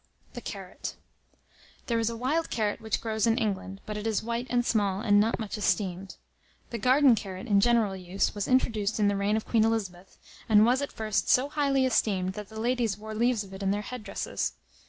] THE CARROT. There is a wild carrot which grows in England; but it is white and small, and not much esteemed. The garden carrot in general use, was introduced in the reign of Queen Elizabeth, and was, at first, so highly esteemed, that the ladies wore leaves of it in their head dresses.